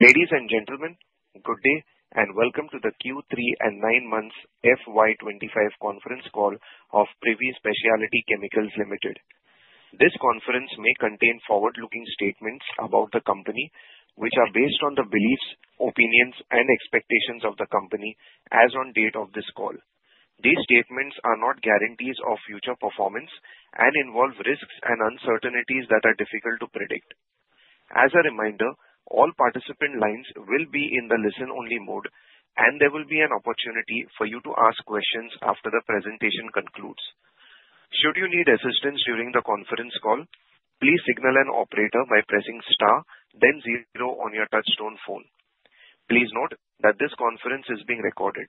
Ladies and gentlemen, good day and welcome to the Q3 and 9 months FY25 conference call of Privi Specialty Chemicals Limited. This conference may contain forward looking statements about the company which are based on the beliefs, opinions and expectations of the company as on date of this call. These statements are not guarantees of future performance and involve risks and uncertainties that are difficult to predict. As a reminder, all participant lines will be in the listen only mode and there will be an opportunity for you to ask questions after the presentation concludes. Should you need assistance during the conference call, please signal an operator by pressing Star then zero on your touch-tone phone. Please note that this conference is being recorded.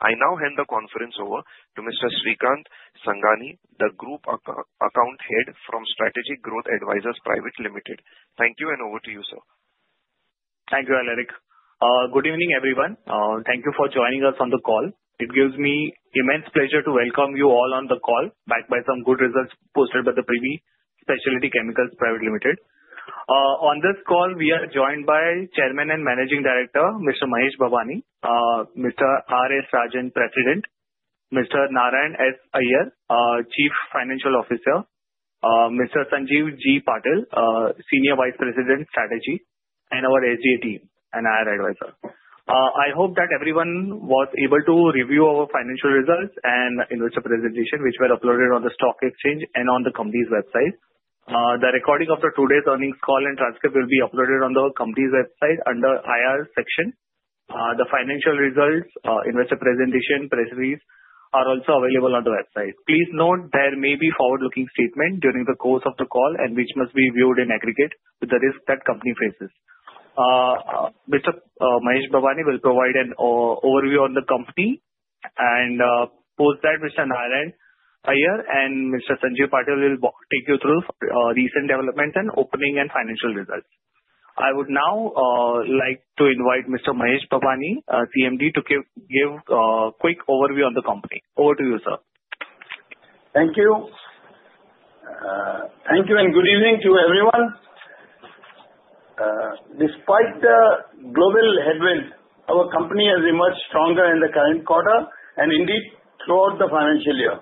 I now hand the conference over to Mr. Shrikant Sangani, the Group Account Head from Strategic Growth Advisors Private Limited. Thank you. Over to you sir. Thank you Alaric. Good evening everyone. Thank you for joining us on the call. It gives me immense pleasure to welcome you all on the call backed by some good results posted by Privi Specialty Chemicals Limited. On this call we are joined by Chairman and Managing Director Mr. Mahesh Babani, Mr. R. S. Rajan, President, Mr. Narayan Iyer, Chief Financial Officer, Mr. Sanjeev Patil, Senior Vice President Strategy and our. SGA team and IR advisor. I hope that everyone was able to review our financial results and investor presentation which were uploaded on the stock exchange and on the company's website. The recording of today's earnings call and transcript will be uploaded on the company's website under IR section. The financial results, investor presentation press release are also available on the website. Please note there may be forward-looking statement during the course of the call and which must be viewed in aggregate. With the risk that company faces. Mr. Mahesh Babani will provide an overview on the company and after that. Mr. Narayan Iyer and Mr. Sanjeev Patil will take you through recent developments and operating and financial results. I would now like to invite Mr. Mahesh Babani MD to give quick overview. to the company. Over to you, sir. Thank you. Thank you and good evening to everyone. Despite the global headwind, our company has emerged stronger in the current quarter and indeed throughout the financial year.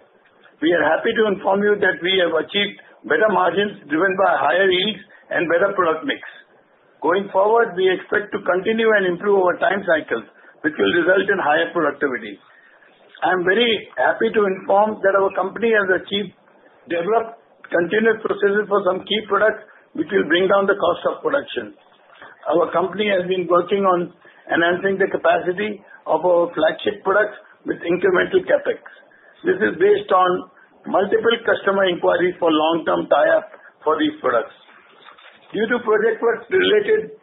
We are happy to inform you that we have achieved better margins driven by higher yields and better product mix. Going forward, we expect to continue and improve our time cycle which will result in higher productivity. I'm very happy to inform that our company has developed continuous processes for some key products which will bring down the cost of production. Our company has been working on enhancing the capacity of our flagship products with incremental Capex. This is based on multiple customer inquiries for long term tie up for these products. Due to project work related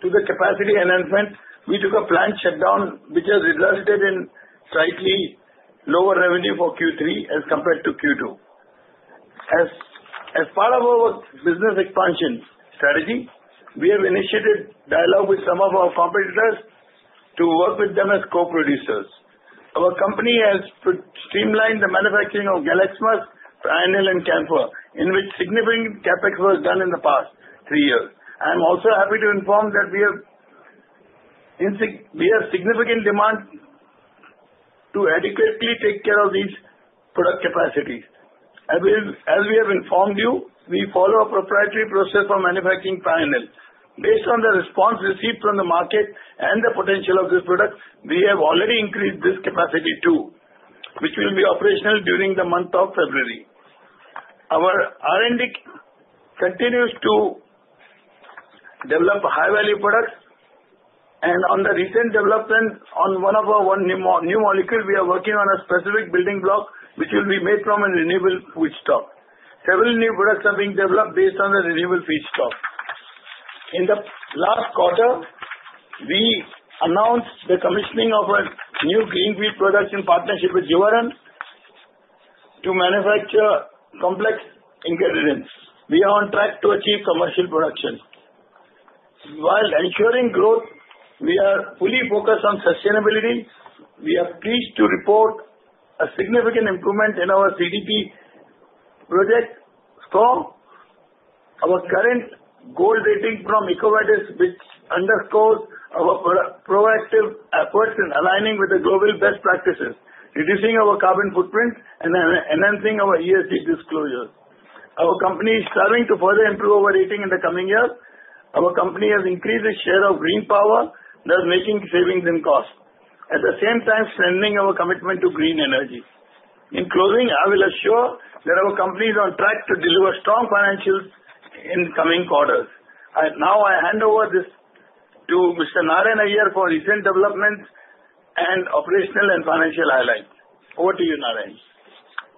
to the capacity enhancement, we took a planned shutdown which has resulted in slightly lower revenue for Q3 as compared to Q2. As part of our business expansion strategy, we have initiated dialogue with some of our competitors to work with them as co-producers. Our company has streamlined the manufacturing of Galaxmusk, Prionyl and Camphor in which significant Capex was done in the past three years. I am also happy to inform that. We have significant demand to adequately take care of these product capacities. As we have informed you, we follow a proprietary process for manufacturing pine-based on the response received from the market and the potential of this product. We have already increased this capacity too, which will be operational during the month of February. Our R and D continues to develop high value products, and on the recent development on one of our new molecule we are working on a specific building block which will be made from a renewable wood stock. Several new products are being developed based on the renewable feedstock. In the last quarter we announced the commissioning of a new greenfield product in partnership with Givaudan to manufacture complex ingredients. We are on track to achieve commercial production while ensuring growth. We are fully focused on sustainability. We are pleased to report a significant improvement in our CDP score, our current goal rating from EcoVadis, which underscores our proactive efforts in aligning with the global best practices, reducing our carbon footprint and enhancing our ESG disclosures. Our company is serving to further improve our rating in the coming years. Our company has increased its share of green power thus making savings in cost at the same time strengthening our commitment to green energy. In closing, I will assure that our company is on track to deliver strong financials in coming quarters. Now I hand over this to Mr. Narayan Iyer for recent developments and operational. Financial highlights over to you, Narayan.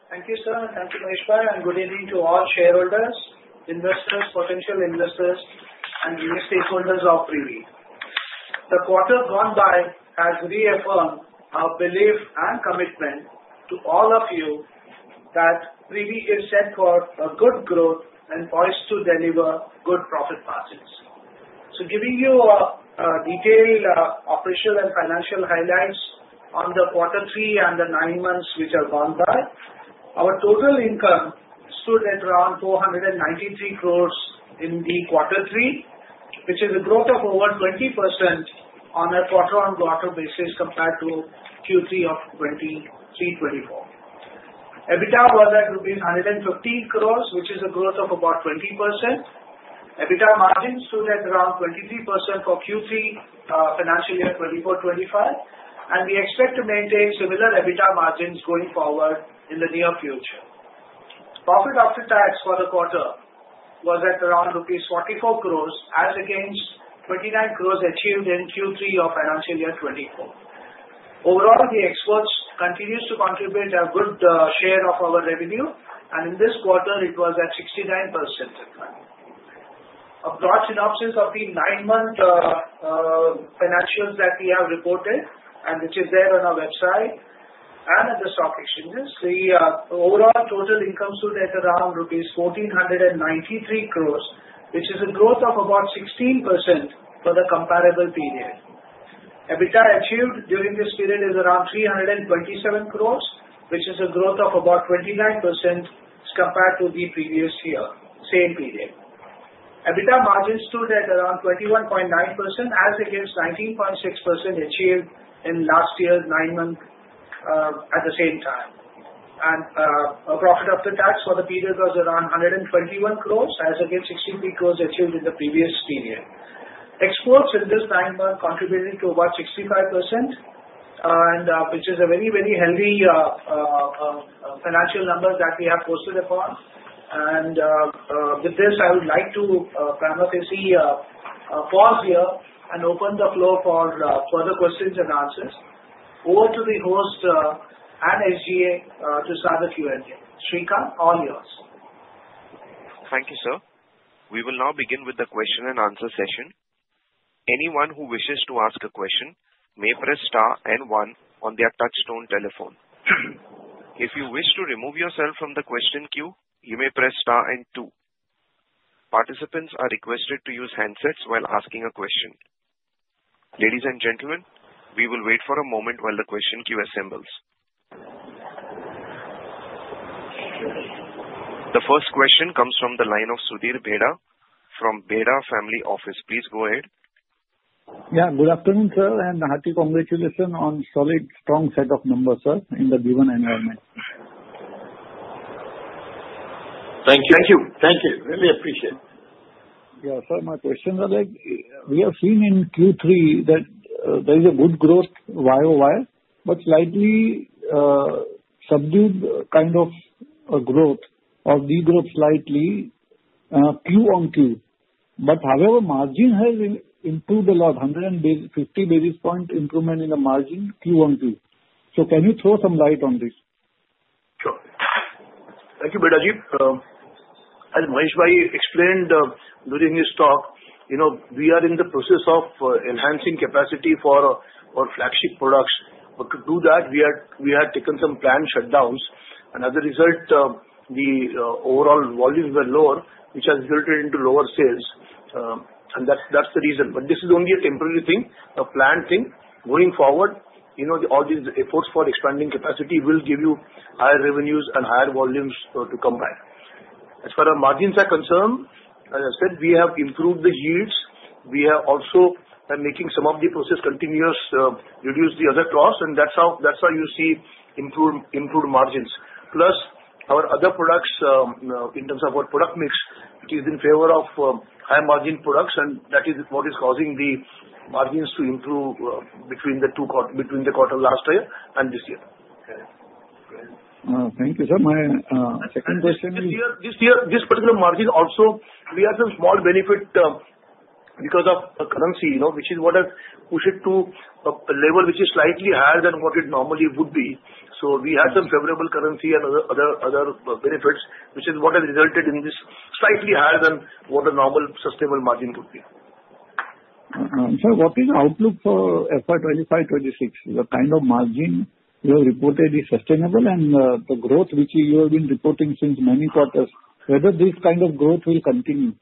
Thank you, sir. Thank you, Mahesh Bhai, and good evening to all shareholders, investors, potential investors, and stakeholders of Privi. The quarter gone by has reaffirmed our belief and commitment to all of you that Privi is set for a good growth and poised to deliver good profit margins. So giving you detailed operational and financial highlights on the quarter three and the nine months which have gone by. Our total income stood at around 493 crores in the quarter three which is a growth of over 20% on a quarter on quarter basis compared to Q3 of 2023-24. EBITDA was at rupees 150 crores which is a growth of about 20%. EBITDA margins stood at around 23% for Q3 financial year 2024-25. And we expect to maintain similar EBITDA margins going forward in the near future. Profit after tax for the quarter was at around rupees 44 crores as against 29 crores achieved in Q3 of financial year 2024. Overall the exports continues to contribute a good share of our revenue and in this quarter it was at 69%. A broad synopsis of the nine-month. Financials that we have reported, which is. There on our website and at the stock exchanges. The overall total income stood at around rupees 1493 crores which is a growth of about 16% for the comparable period. EBITDA achieved during this period is around 327 crores which is a growth of about 29% compared to the previous year. Same period EBITDA margin stood at around 21.9% as against 19.6% achieved in last year. Nine months, at the same time, and a profit after tax for the period was around 121 crores as against 63 crores achieved in the previous period. Exports in this nine months contributed to about 65% which is a very very healthy financial number that we have posted upon. With this I would like to now pause here and open the floor for further questions and answers. Over to the host and SGA to start the Q&A, Shrikant. All yours. Thank you sir. We will now begin with the question and answer session. Anyone who wishes to ask a question may press star and one on their touch-tone telephone. If you wish to remove yourself from the question queue you may press star and two. Participants are requested to use handsets while asking a question. Ladies and gentlemen, we will wait for a moment while the question queue assembles. The first question comes from the line of Sudhir Beda from Beda Family Office. Please go ahead. Yeah. Good afternoon, sir. Hearty congratulations on solid strong set. Of numbers sir, in the given environment. Thank you. Thank you. Thank you. Really appreciate it. Yeah. Sir, my question. We have seen in Q3 that there. It's a good growth YoY but slightly subdued kind of growth or degrowth. Slightly QoQ but however margin. Has improved a lot. 150 basis point improvement in the margin Q1Q. So can you throw some light on this? Sure. Thank you. Beda-ji. As Mahesh Bhai explained during his talk, you know we are in the process of enhancing capacity for our flagship products. But to do that we had taken some planned shutdowns and as a result the overall volumes were lower, which has resulted into lower sales, and that's the reason. But this is only a temporary thing, a planned thing going forward, you know, all these efforts for expanding capacity will give you higher revenues and higher volumes to combine. As far as margins are concerned, as. I said, we have improved the yields. We are also making some of the process continuous reduce the other cost, and that's how you see improved, improved margins plus our other products. In terms of our product mix, it is in favor of high margin products and that is what is causing the margins to improve between the two, between the quarter last year and this year. Thank you, sir. My second question. This year, this particular margin also we have some small benefit because of a currency, you know, which is what has pushed it to a level which is slightly higher than what it normally would be, so we had some favorable currency and other benefits which is what has resulted in this slightly higher than what a. Normal sustainable margin would be. Sir, what is the outlook for FY25-26? The kind of margin you have reported. Is sustainable and the growth which you. Have been reporting since many quarters, whether. This kind of growth will continue.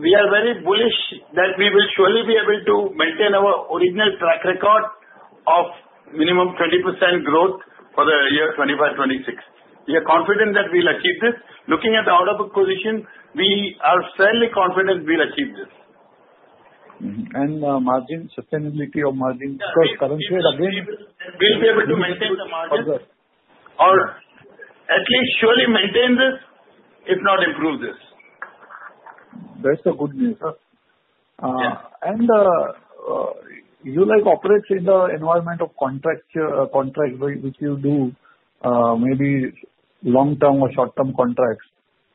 We. Are very bullish that we will surely. Be able to maintain our original track record of minimum 20% growth for the year 2026. We are confident that we'll achieve this. Looking at the out of book position, we are fairly confident we'll achieve this. Margin, sustainability of margin. We'Ll be. Able to maintain the margin or at least surely maintain this, if not improve this. That's the good news. You like operates in the environment. Of contract which you do maybe long term or short term contracts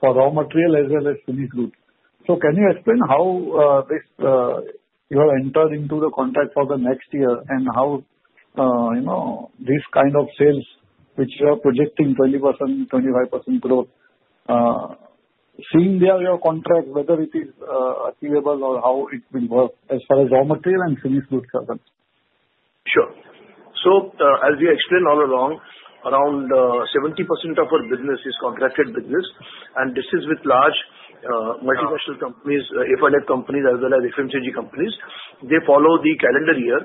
for. Raw material as well as finished goods. Can you explain how you have entered into the contract for the? Next year, and how you know this? Kind of sales which you are projecting 20%-25% growth. Seeing your contract, whether. It is achievable or how it will. Work as far as raw material and finished goods, sure. As we explained all along, around 70% of our business is contracted business. And this is with large multinational companies. If I led companies as well as FMCG companies, they follow the calendar year.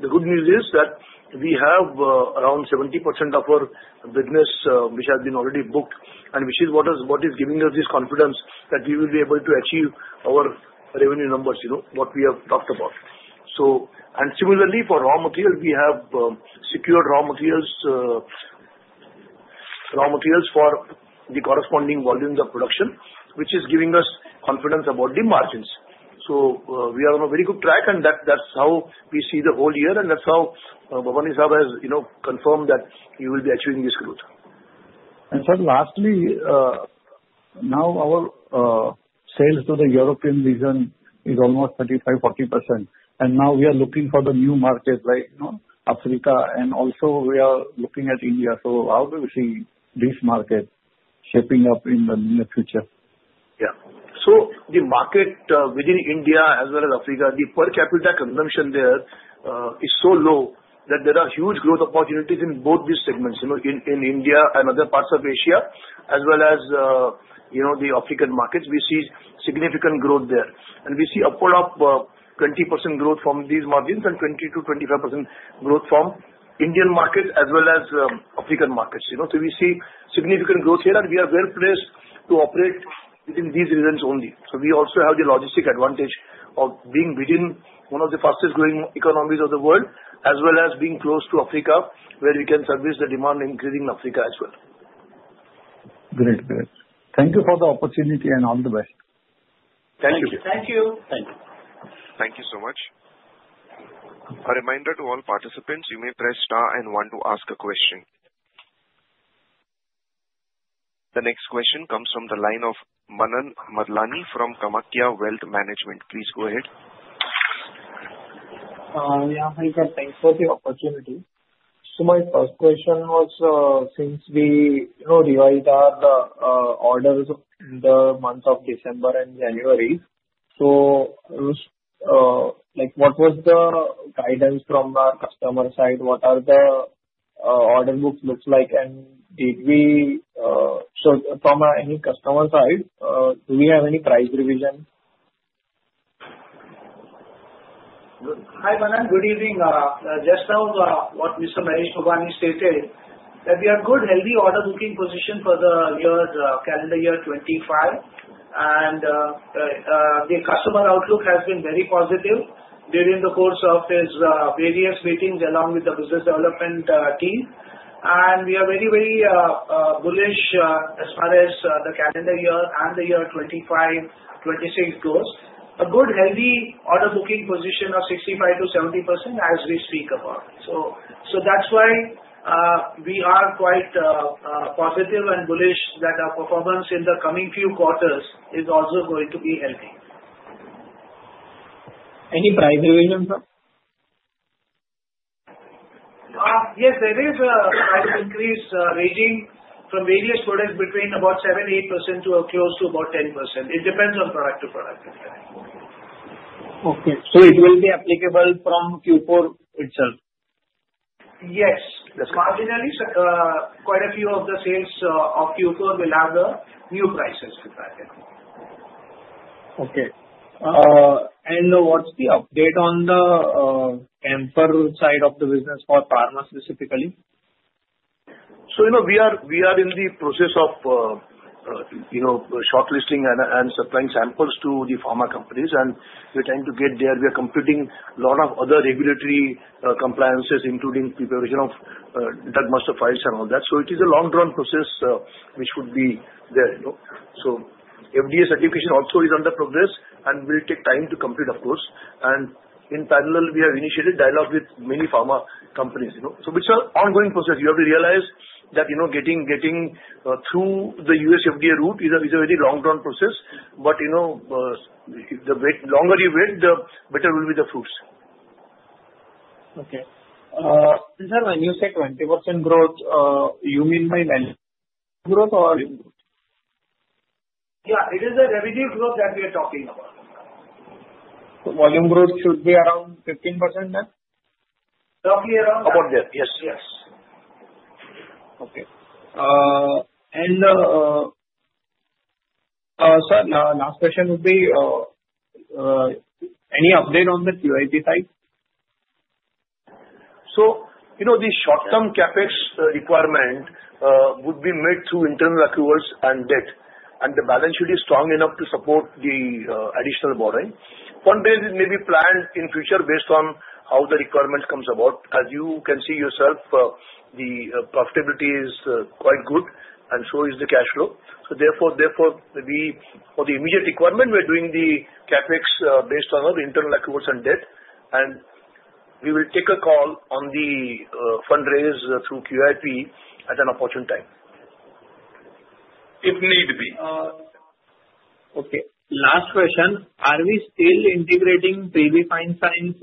The good news is that we have around 70% of our business which has been already booked and which is what is giving us this confidence that we will be able to achieve our revenue numbers, you know what we have talked about. And similarly for raw material, we have secured raw materials. Raw materials for the corresponding volumes of production, which is giving us confidence about the margins. So we are on a very good track, and that's how we see the whole year, and that's how has confirmed that you will be achieving this growth. And sir, lastly now our sales to the European region is almost 35%-40%. And now we are looking for the new market like Africa and also we are looking at India. How do we see this market? Shaping up in the future? Yeah, so the market within India as well as Africa, the per capita consumption there is so low that there are huge growth opportunities in both these segments in India and other parts of Asia as well as the African markets. We see significant growth there and we see upward 20% growth from these markets and 20%-25% growth from Indian market as well as African markets. So we see significant growth here and we are well placed to operate within these regions only. So we also have the logistic advantage of being within one of the fastest growing economies of the world as well as being close to Africa where we can service the demand increasing in Africa as well. Great. Thank you for the opportunity and all the best. Thank you. Thank you. Thank you so much. A reminder to all participants, you may press star and one to ask a question. The next question comes from the line of Manan Marlani from Kamakhya Wealth Management. Please go ahead. Thanks for the opportunity. My first question was since we. Revised our orders in the month of December and January. So. Like, what was the guidance from our customer side? What are the order books looks like and did we. So, from any customer side, do we. Have any price revision? Hi Manan. Good evening. Just now what Mr. Mahesh Babani stated that we have good healthy order booking position for the year calendar year 2025. The customer outlook has been very positive during the course of his various meetings along with the business development team. We are very very bullish as far as the calendar year and the year 2025 2026 goes. A good healthy order booking position of 65%-70% as we speak about. That's why we are quite positive and bullish that our performance in the coming few quarters is also going to be healthy. Any price revisions? Yes, there is a price increase ranging from various products between about 7%-8% to close to about 10%. It depends on product to product. Okay. So it will be applicable from Q4 itself. Yes, the market generally quite a few of the sales of Q4 mirror those new prices with that. Okay. What's the update on the Camphor side of the business for pharma specifically? So you know, we are in the process of, you know, shortlisting and supplying samples to the pharma companies and we're trying to get there. We are completing a lot of other regulatory compliances including preparation of Drug Master Files and all that, so it is a long-run process which would be there, you know, so FDA certification also is in progress and will take time to complete, of course, and in parallel we have initiated dialogue with many pharma companies, you know, so it's an ongoing process. You have to realize that you know, getting through the U.S. FDA route is a very long-drawn process, but you know, the longer you went, the better will be the fruits. Okay sir, when you say 20% growth you mean by? Yeah, it is a revenue growth that. We are talking about. Volume growth should. Be around 15%, then roughly around there. Yes, yes. Okay. And. Last question would be. Any Update. On the QIP side? You know, the short term CapEx. Requirement would be met through internal accruals and debt, and the balance sheet is strong enough to support the additional borrowing one day. It may be planned in future based on how the requirements comes about. As you can see yourself, the profitability is quite good, and so is the cash flow. So therefore, we for the immediate requirement we're doing the CapEx based on our internal accruals and debt, and we will take a call on the fundraiser through QIP at an opportune time. If need be. Okay, last question. Are we still integrating Privi fine sciences?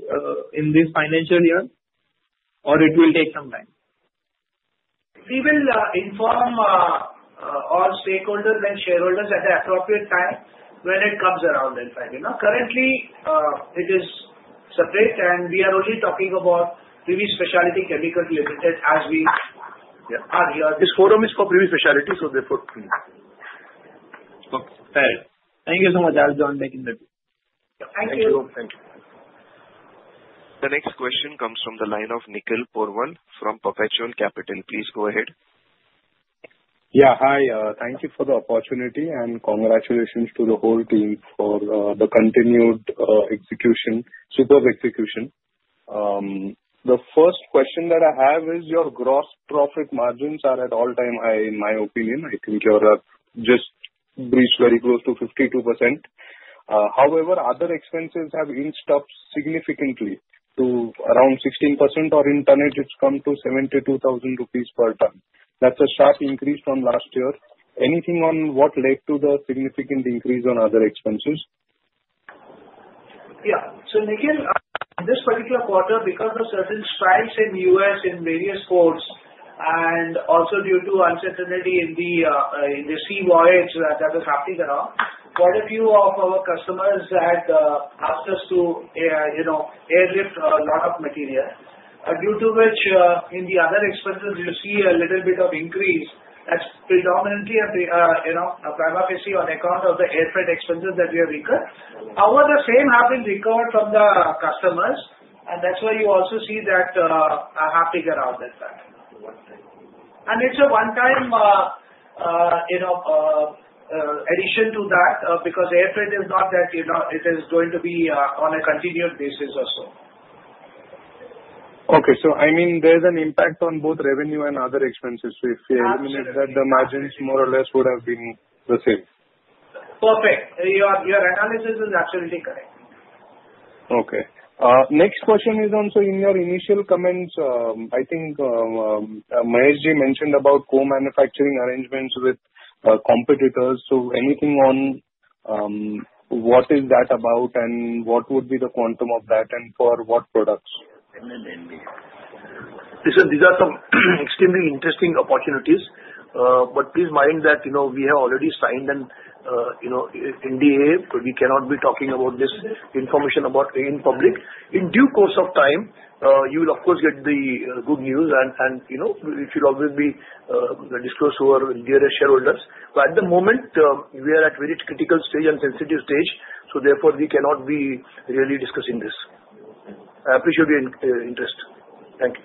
In this financial year, or it will take some time. We will inform all stakeholders and shareholders at the appropriate time when it comes around and currently it is separate and we are only talking about Privi Specialty Chemicals Limited. As we. This forum is for Privi Specialty. So therefore. Thank you so much. I'll join the. Thank you. The next question comes from the line of Nikhil Porwal from Perpetual Capital. Please go ahead. Yeah, hi. Thank you for the opportunity and congratulations to the whole team for the continued execution. Superb execution. The first question that I have is. Your gross profit margins are at all-time high. In my opinion I think you have just reached very close to 52%. However, other expenses have inched up significantly to around 16% or in tonnage it's come to 72,000 rupees per ton. That's a sharp increase from last year. Anything on what led to the significant increase on other expenses? Yeah. So Nikhil, this particular quarter because of certain strikes in U.S. in various ports and also due to uncertainty in the sea voyage that is happening and all, quite a few of our customers had asked us to airlift a lot of material. Due to which in the other expenses you see a little bit of increase. That's predominantly a prima facie on account of the airfare expenses that we have incurred. However, the same have been recovered from the customers. And that's why you also see that an uptick around that. And it's a one-time, you know, addition to that because air freight is not that, you know, it is going to be on a continued basis or so. Okay, so I mean there's an impact. On both revenue and other expenses. The margins more or less would have been the same. Perfect. Your analysis is absolutely correct. Okay, next question is also in your initial comments. I think Mahesh Ji mentioned about co-manufacturing arrangements with competitors. So anything on what is that about and what would be the quantum of that and for what products? Listen, these are some extremely interesting opportunities, but please mind that you know we have already signed an NDA. We cannot be talking about this information about it in public. In due course of time you will of course get the good news and you know it should always be disclosed to our dearest shareholders. But at the moment we are at very critical stage and sensitive stage, so therefore we cannot be really discussing this. I appreciate your interest. Thank you.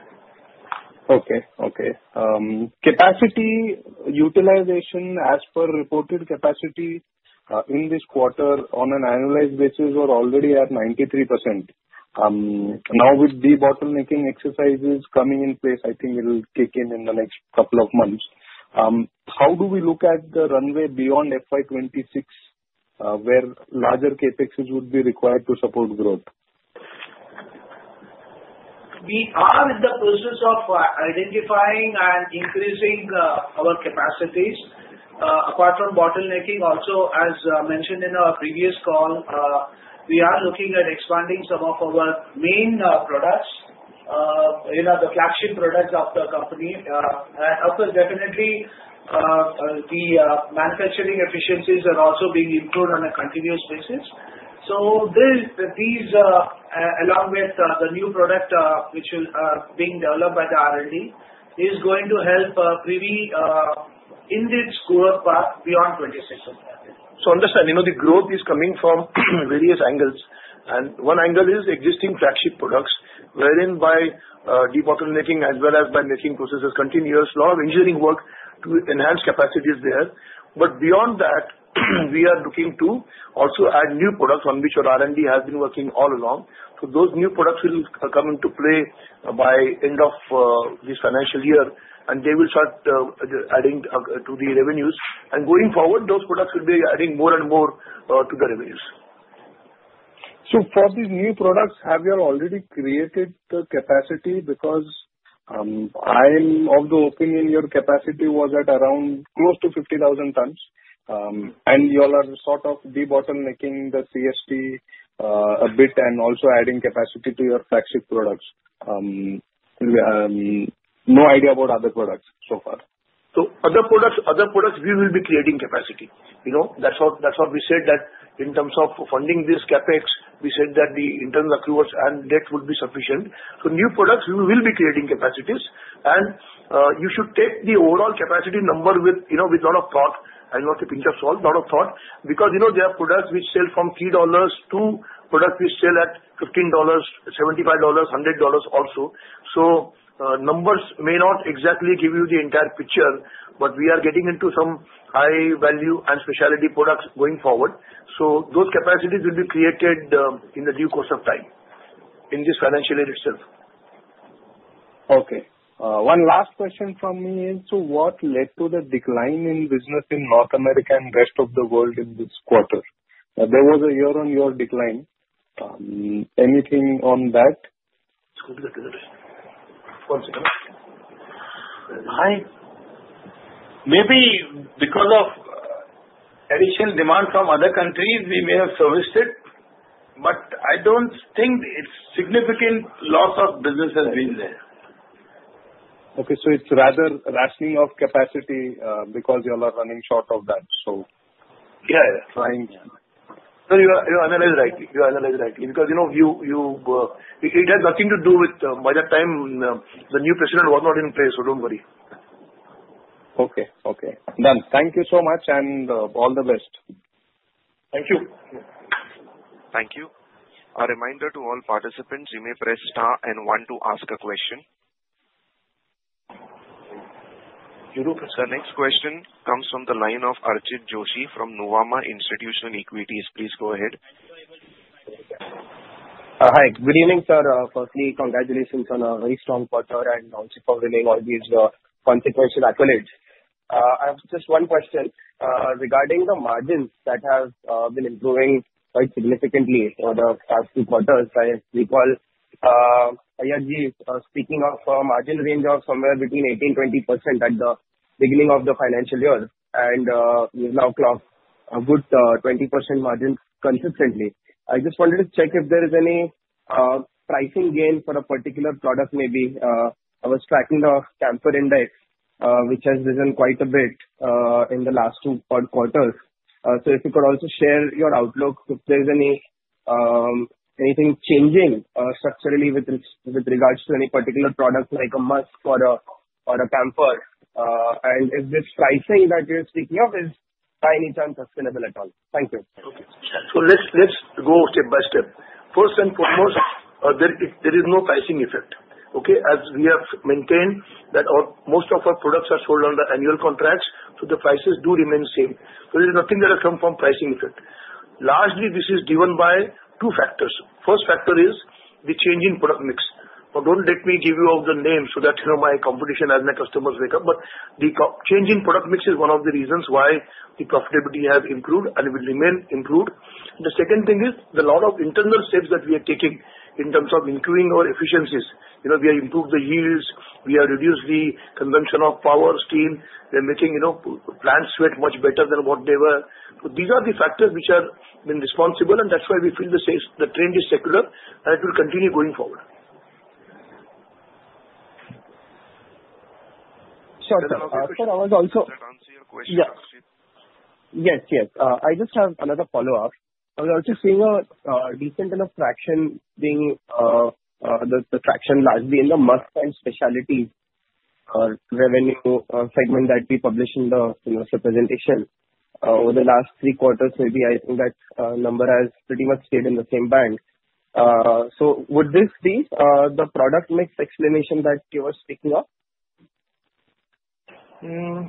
Okay. Okay. Capacity utilization as per reported capacity in. This quarter on an annualized basis we are already at 93%. Now with the debottlenecking exercises coming in place, I think it will kick in in the next couple of months. How do we look at the runway beyond FY26 where larger capexes would be required to support growth? We are in the process of identifying and increasing our capacities apart from debottlenecking. Also, as mentioned in our previous call, we are looking at expanding some of our main products. The flagship products of the company. Definitely the manufacturing efficiencies are also being improved on a continuous basis. So these along with the new product which being developed by the R and D is going to help Privi in this growth path beyond 26. So, understand, you know, the growth is coming from various angles, and one angle is existing flagship products, wherein by debottlenecking as well as by making processes continuous, a lot of engineering work to enhance capacities there. But beyond that, we are looking to also add new products on which our R&D has been working all along. So those new products coming into play by end of this financial year, and they will start adding to the revenues, and going forward those products will be adding more and more to the revenues. So for these new products, have you? Already created the capacity? Because I am of the opinion your. Capacity was at around close to 50,000 tons and you all are sort of debottlenecking the CST a bit and also adding capacity to your flagship products. No idea about other products so far. So other products, other products we will be creating capacity. You know that's what, that's what we said that in terms of funding this Capex, we said that the internal accruals and debt would be sufficient. So new products, we will be creating capacities and you should take the overall capacity number with, you know, with a lot of thought and not a pinch of salt lot of thought because you know they are products which sell from $3.2 per product. We sell at $15, $75, $100 also. So numbers may not exactly give you the entire picture but we are getting into some high value and specialty products going forward. So those capacities will be created in the due course of time in this financial year itself. Okay, one last question from me is to what led to the decline in business in North America and rest of? The world in this quarter? There was a year on year decline. Anything on that. One? Maybe because of additional demand from other countries we may have serviced it but I don't think it's significant. Loss of business has been there. Okay, so it's rather rationing of capacity because you all are running short of that. So yeah. Because you know, you. It has nothing to do with, by the time the new president was not in place. Don't worry. Okay. Okay, done. Thank you so much and all the best. Thank you. Thank you. A reminder to all participants, you may press Star and one to ask a question. The next question comes from the line of Archit Joshi from Nuvama Institutional Equities. Please go ahead. Hi, good evening sir. Firstly, congratulations on a very strong quarter and also for winning all these consequential accolades. I have just one question regarding the margins that have been improving quite significantly over the past two quarters. I recall. Speaking of margin range of somewhere between 18%-20% at the beginning of the financial year and we have now clocked a good 20% margin consistently. I just wanted to check if there. Is any pricing gain for a particular product? Maybe I was tracking the Camphor. Index which has risen quite a bit. In the last two odd quarters. So if you could also share your outlook if there's anything changing structurally with regards to any particular product like a musk or a Camphor and if this pricing that you're speaking of is by any chance sustainable at all? Thank you. So let's go step by step. First and foremost, there is no pricing effect. Okay. As we have maintained that most of our products are sold under annual contracts. So the prices do remain the same. There is nothing that has come from pricing effect. Largely this is driven by two factors. First factor is the change in product mix. Don't let me give you all the names so that my competition and my customers wake up. But the change in product mix is one of the reasons why the profitability has improved and will remain improved. The second thing is a lot of internal steps that we are taking in terms of improving our efficiencies. We have improved the yields; we have reduced the consumption of power and steam. They're making, you know, the plants sweat much better than what they were. So these are the factors which are being responsible and that's why we feel the trend is secular and it will continue going forward. Yes, yes. I just have another follow up. I was also seeing a decent enough traction being the traction largely in the musk and specialty revenue segment that we publish in the presentation over the last three quarters. Maybe I think that number has pretty much stayed in the same band. So would this be the product mix explanation that you were speaking of? Yeah,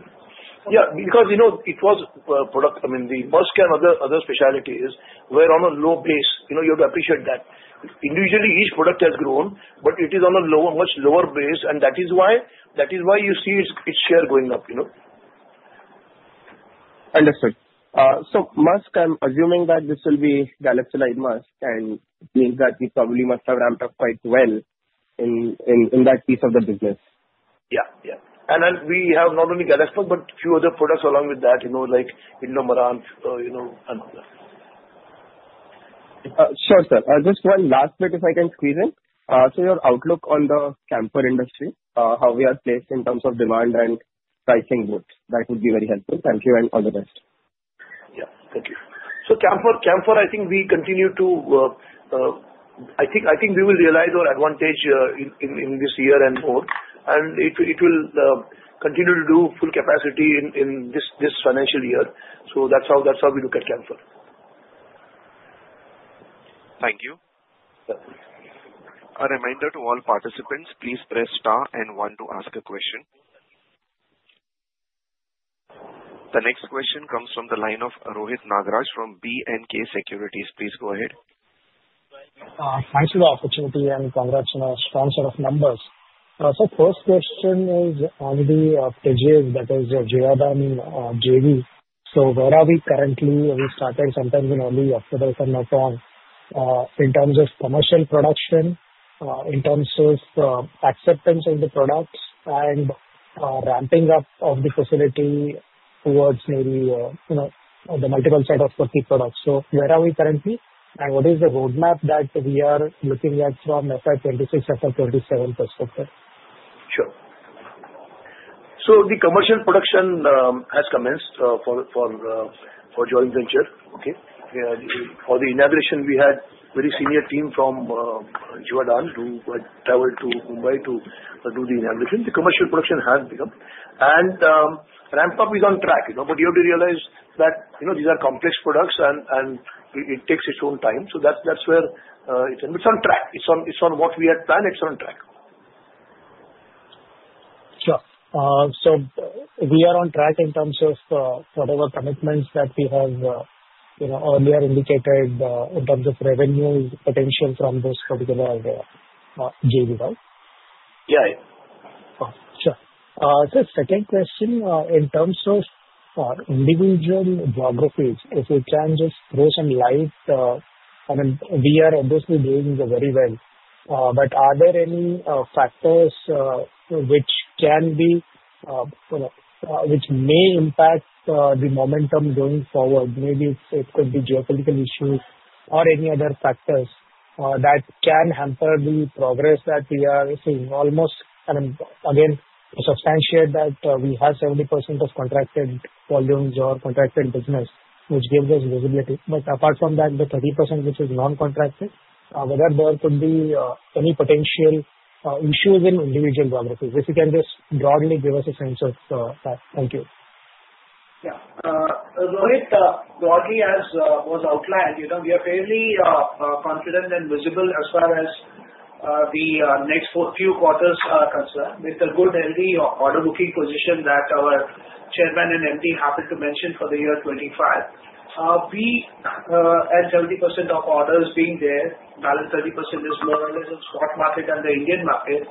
because you know, it was product. I mean the musk and other specialties. We're on a low base. You know, you have to appreciate that individually each product has grown but it is on a lower, much lower base. And that is why, that is why. You see its share going up. You know. Understood. So, musk, I'm assuming that this will be Galaxolide musk and means that we probably must have ramped up quite well in that piece of the business. Yeah, yeah. We have not only Galaxmusk, but few other products along with that, you know, like Pillow Marant, you know. Sure, sir, just one last bit if. I can squeeze in. So your outlook on the camphor industry, how we are placed in terms of demand and pricing goods? That would be very helpful. Thank you. All the best. Yeah. Thank you. So, Camphor, I think we continue to. I think, I think we will realize our advantage in this year and so on and it will continue to do full capacity in this financial year. So that's how we look at Camphor. Thank you. A reminder to all participants. Please press star and one to ask a question. The next question comes from the line of Rohit Nagraj from B&K Securities. Please go ahead. Thanks for the opportunity and congrats on a strong set of numbers. So first question is on the Givaudan JV. So where are we currently? We started sometime in early October, not only in terms of commercial production in terms of acceptance of the products and ramping up of the facility towards maybe the multiple set of products. So where are we currently and what is the roadmap that we are looking at from FY26 FY27 perspective? Sure. The commercial production has commenced for the joint venture. For the inauguration, we had a very senior team from Givaudan who traveled to Mumbai to do the inauguration. The commercial production has commenced and ramp up. Up is on track. But you have to realize that these are complex products and it takes its own time. So that's where it's on track. It's on. It's on what we had planned. It's on track. Sure. So we are on track in terms of whatever commitments that we have, you know earlier indicated in terms of revenue potential from this particular JV. Right. Yeah, sure. The second question in terms of individual geographies, if we can just. I mean, we are obviously doing very well, but are there any factors which can be? Which may impact the momentum going forward? Maybe it could be geopolitical issues or any other factors that can hamper the progress that we are seeing. Almost again substantiate that we have 70% of contracted volumes or contracted business which gives us visibility, but apart from that the 30% which is non-contracted. Whether there could be any potential issues in individual geographies. If you can just broadly give us a sense of that. Thank you. Broadly, as was outlined, we are fairly confident and visible as far as the next few quarters are concerned with the good LV order booking position that our chairman and MD happened to mention for the year 2025. 70% of orders being there, balance 30% is more or less in spot market and the Indian market.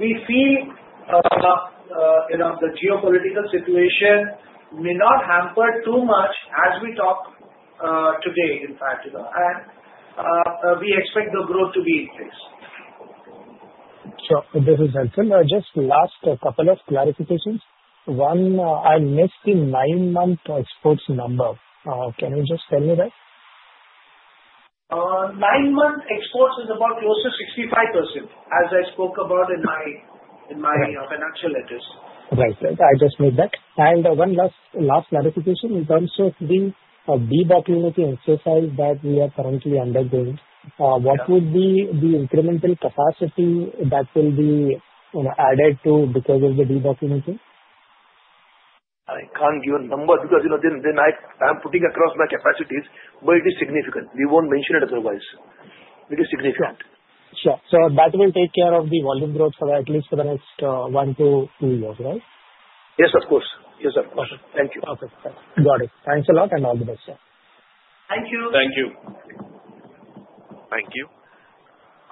We feel. The geopolitical situation may not hamper too much as we talk today. In fact, we expect the growth to be in place. Sure. This is just the last couple of clarifications. One, I missed the 9 months exports number. Can you just tell me that? Nine-month exports is about close to 65% as I spoke about in my financial letters. Right, right. I just made that, and one last clarification in terms of the debottlenecking exercise that we are currently undergoing. What would be the incremental capacity that will be added to because of the debottlenecking? I can't give a number because you know then I'm putting across my capacities but it is significant. We won't mention it otherwise. It is significant. Sure. So that will take care of the volume growth for at least the next one to two years, right? Yes, of course. Yes, of course. Thank you. Got it. Thanks a lot and all the best, sir. Thank you. Thank you. Thank you.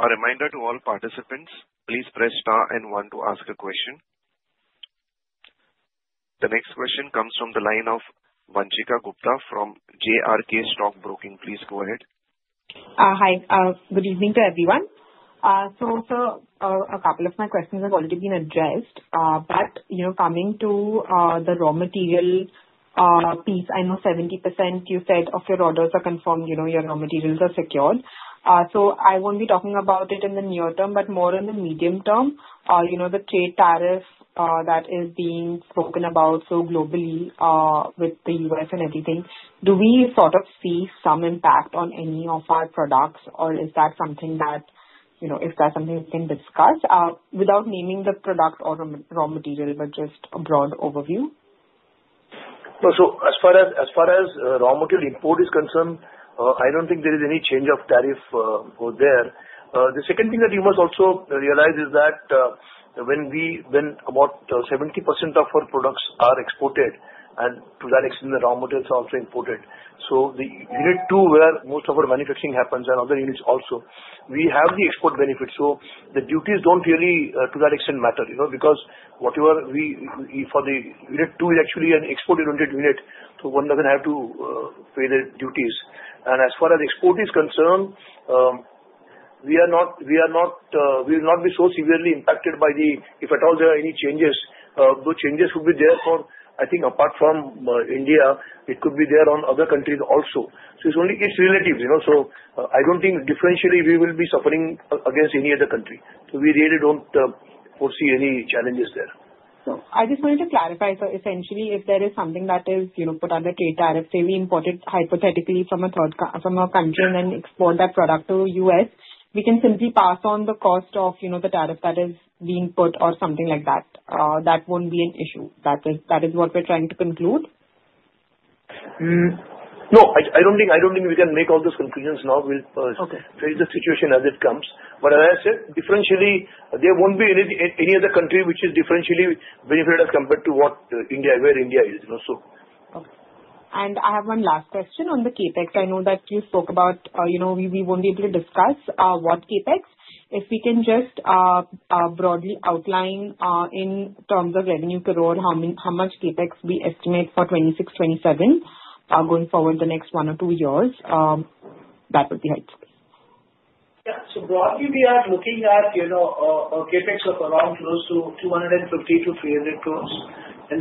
A reminder to all participants, please press star and one to ask a question. The next question comes from the line of Vanshika Gupta from JRK Stock Broking. Please go ahead. Hi, good evening to everyone. So, sir, a couple of my questions have already been addressed. But, you know, coming to the raw material piece, I know 70%, you said, of your orders are confirmed. You know, your raw materials are secured. So I won't be talking about it in the near term, but more in the medium term. You know, the trade tariff that is being spoken about so globally with the U.S. and everything, do we sort of see some impact on any of our products or is that something that, you know, is that something we can discuss without naming the product or raw material, but just a broad overview? So as far as raw material import is concerned, I don't think there is any change of tariff there. The second thing that you must also realize is that when we, when about 70% of our products are exported and to that extent the raw material also imported, so the unit 2, where most of our manufacturing happens and other units also, we have the export benefits. So the duties don't really to that extent matter, you know. For the unit 2 is actually an exported unit, so one doesn't have to pay their duties. And as far as export is concerned, we are not, we are not, we will not be so severely impacted by the, if at all there are any changes, the changes will be there for, I think apart from India, it could be there on other countries also. So it's only, it's relative, you know. So I don't think differentially we will be suffering against any other country. So we really don't foresee any challenges there. So I just wanted to clarify. So essentially if there is something that is, you know, put under trade tariffs, say we import it hypothetically from a third country and then export that product to us, we can simply pass on the cost of, you know, the tariff that is being put or something like that, that won't be an issue. That is what we're trying to conclude. No, I don't think, I don't think we can make all those conclusions now. We'll face the situation as it comes. But as I said, differentially, there won't be any other country which is differentially benefited as compared to what India. Where India is, you know so and. I have one last question on the Capex I know that you spoke about, you know we want to discuss what Capex. If we can just broadly outline in terms of revenue growth how much Capex we estimate for 2026, 2027 going forward the next one or two. Years that would be helpful. Yeah. So broadly we are looking at you know a CapEx of around close to 250-300 crores in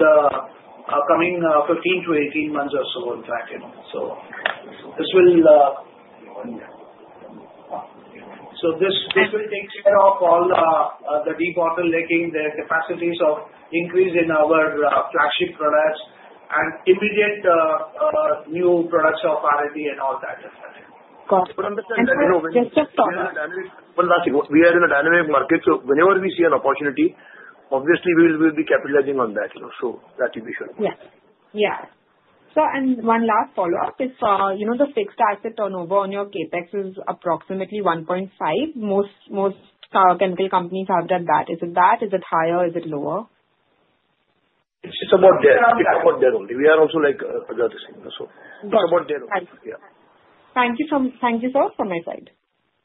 the upcoming 15-18 months or so. In fact so this will. So. This will take care of all the debottlenecking, the capacity increases in our flagship products and immediate new products from R and all that. One last thing, we are in a dynamic market so whenever we see an opportunity obviously we will be capitalizing on that, you know, so that is. Yeah, so and one last follow up if you know the fixed asset turnover on your CapEx is approximately 1.5. Most chemical companies have done that. Is it that, is it higher? Is it lower? It's just about there. It's about there only. We are also like. So it's about there. Thank you, sir, from my side.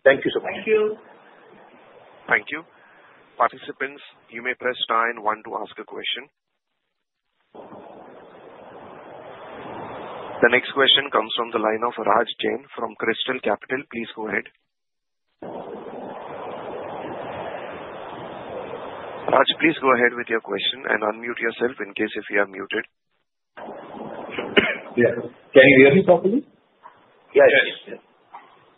Thank you so much. I feel. Thank you. Participants, you may press star one to ask a question. The next question comes from the line of Raj Jain from Crystal Capital. Please go ahead. Raj, please go ahead with your question and unmute yourself in case if you are muted. Can you hear me properly? Yes,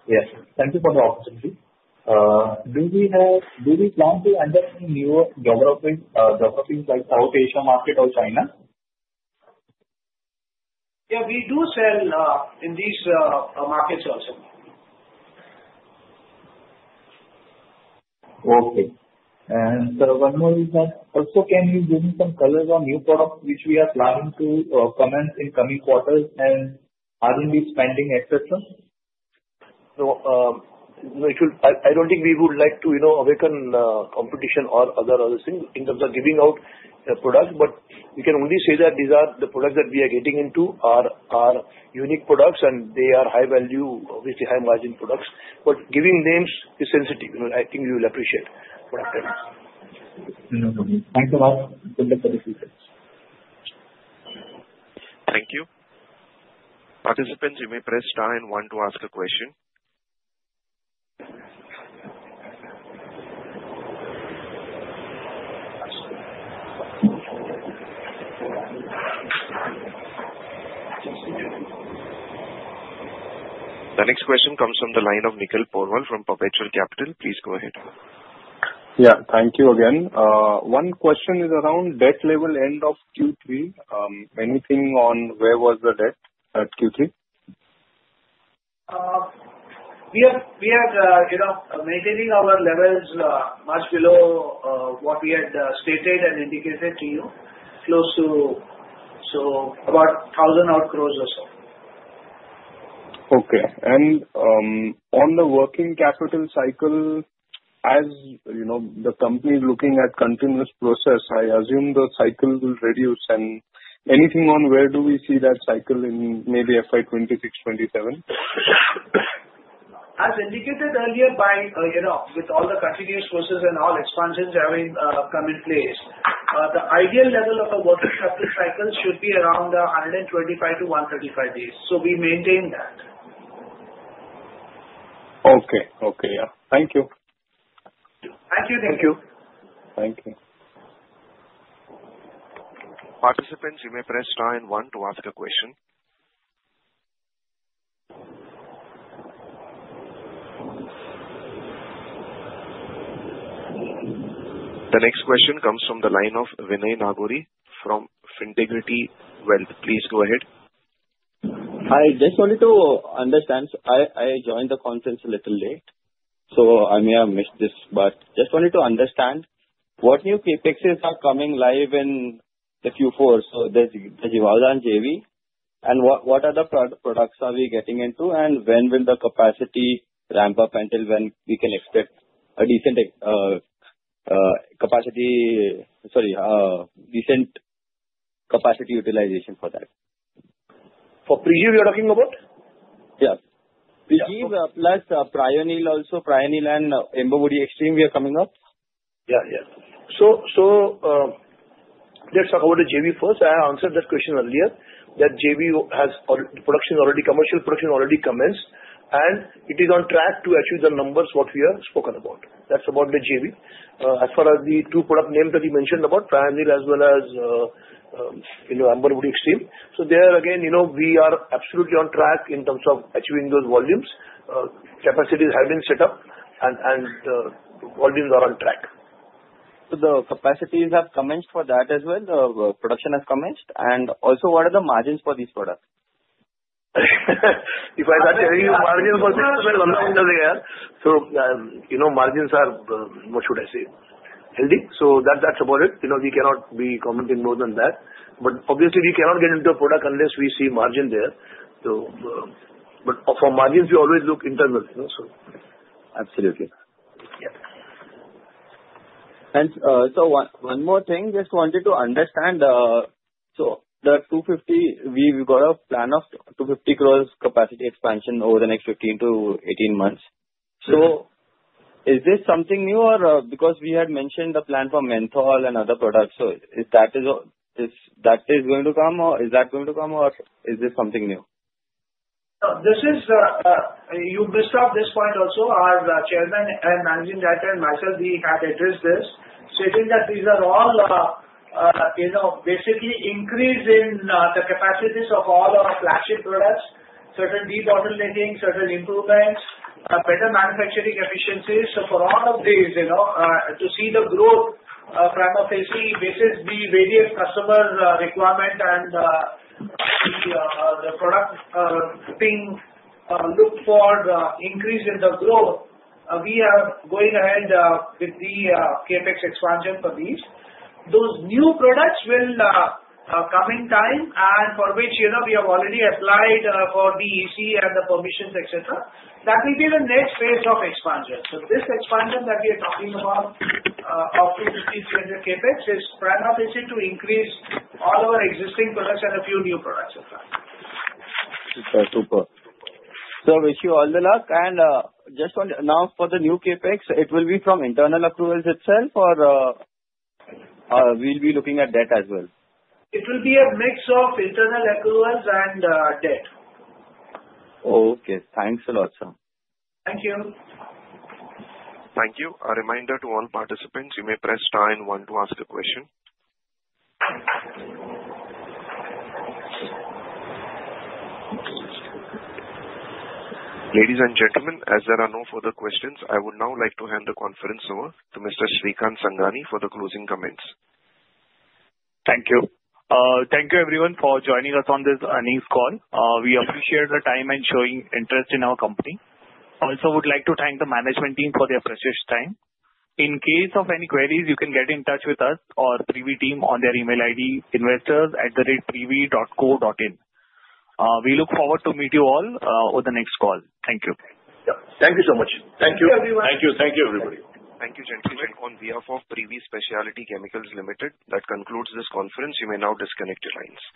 yes. Thank you for the opportunity. Do we have, do we plan to enter new geographic developing like South Asia market or China? Yeah, we do sell in these markets also. Okay and one more is that also. Can you give me some color on? New products which we are planning to commence in coming quarters and R&D spending etc. No. I don't think we would like to, you know, awaken competition or other things in terms of giving out products. But we can only say that these are the products that we are getting into are unique products and they are high value, obviously high margin products, but giving names is sensitive. I think you will appreciate product. Thanks a lot. Thank you. Participants, you may press Star and one to ask a question. The next question comes from the line of Nikhil Porwal from Perpetual Capital. Please go ahead. Yeah, thank you. Again, one question is around debt level end of Q3. Anything on where was the debt at Q3? We are, you know, maintaining our levels much below what we had stated and indicated to you, close to so about 1,000 odd crores or so. Okay. On the Working Capital cycle, as you know, the company looking at continuous process. I assume the cycle will reduce, and anything on where do we see that cycle in maybe FY26-27? As indicated earlier by you know, with all the continuous sources and all expansions having come in place, the ideal level of a working capital cycle should be around 125 to 135 days. So we maintain that. Okay. Okay. Yeah. Thank you. Thank you. Thank you. Thank you. Participants, you may press star in one to ask a question. The next question comes from the line of Vinay Nagori from Fintegrity Wealth. Please go ahead. I just wanted to understand. I joined the conference a little late so I may have missed this, but just wanted to understand what new Capex are coming live in the Q4, so the Galax and JV and what other products are we getting into and when will the capacity ramp up until when we can expect a decent. Capacity. Sorry, decent capacity utilization for that. Privi you're talking about. Yeah, plus Prionyl also Prionyl and Amber Woody Extreme. We are coming up. Yeah, yeah. So. So let's talk about the JV first. I answered that question earlier. That JV has production already, commercial production already commenced and it is on track to achieve the numbers. What we have spoken about, that's about the JV. As far as the two product names that you mentioned about Prionyl as well as Amber Wood Extreme. So there again we are absolutely on track in terms of achieving those volumes. Capacities have been set up and volumes are on track. The capacities have commenced for that as well. The production has commenced. And also what are the margins for these products? If I start telling you margin. So you know, margins are what should I say? Healthy. So that, that's about it. You know, we cannot be commenting more than that. But obviously we cannot get into a product unless we see margin there. So. But for margins we always look internal. Absolutely. So one more thing just wanted to understand. So the 250. We got a plan of 250 crores capacity expansion over the next 15-18 months. So is this something new or? Because we had mentioned the plan for menthol and other products. So that is going to come or is that going to come or is this something new? This is. You missed off this point. Also our Chairman and Managing Director and myself, we have addressed that stating that these are all, you know, basically increase in the capacities of all our flagship products, certain debottlenecking, certain improvements, better manufacturing efficiencies. So for all of these you know to see the growth prima facie basis the various customer requirement and. The products being looked for an increase in the growth we are going ahead with the Capex expansion for these new products will come online and for which you know we have already applied for BEC and the permissions etc. That will be the next phase of expansion, so this expansion that we are talking about of 250-300 Capex is to increase all our existing products and a few new products. So, wish you all the luck. And just on now for the new Capex, it will be from internal accruals itself, or? We'll be looking at debt as well. It will be a mix of internal accruals and debt. Okay, thanks a lot sir. Thank you. Thank you. A reminder to all participants, you may press star one to ask a question. Ladies and gentlemen, as there are no further questions, I would now like to hand the conference over to Mr. Shrikant Sangani for the closing comments. Thank you. Thank you everyone for joining us on this earnings call. We appreciate the time and showing interest in our company. Also would like to thank the management team for their precious time. In case of any queries you can get in touch with us or Privi team on their email id investors@privi.co.in. We look forward to meet you all over the next call. Thank you. Thank you so much. Thank you. Thank you. Thank you, everybody. Thank you, gentlemen. On behalf of Privi Specialty Chemicals Ltd., that concludes this conference. You may now disconnect your lines.